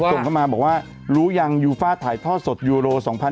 ส่งเข้ามาบอกว่ารู้ยังยูฟ่าถ่ายทอดสดยูโร๒๐๑๖